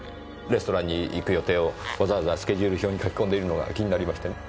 レストランに行く予定をわざわざスケジュール表に書き込んでいるのが気になりましてね。